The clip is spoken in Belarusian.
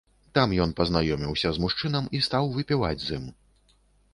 Там ён пазнаёміўся з мужчынам і стаў выпіваць з ім.